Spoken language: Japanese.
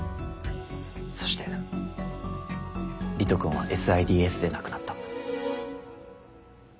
そして理人くんはＳＩＤＳで亡くなった。